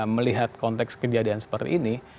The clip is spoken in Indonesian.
melihat konteks kejadian seperti ini